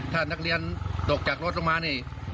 ถ้านักเรียนตกจากรถลงมานี่